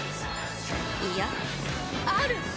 いやある！